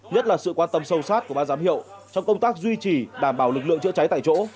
nhất là sự quan tâm sâu sát của ban giám hiệu trong công tác duy trì đảm bảo lực lượng chữa cháy tại chỗ